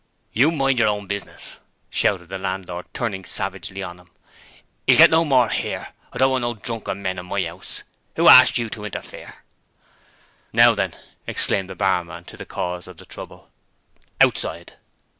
'You mind your own business,' shouted the landlord, turning savagely on him. ''E'll get no more 'ere! I don't want no drunken men in my 'ouse. Who asked you to interfere?' 'Now then!' exclaimed the barman to the cause of the trouble, 'Outside!'